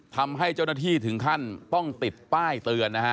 ทำให้เจ้าหน้าที่ถึงขั้นต้องติดป้ายเตือนนะฮะ